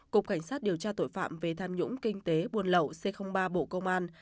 cục cảnh sát điều tra tội phạm về tham nhũng kinh tế buôn lậu c ba bộ công an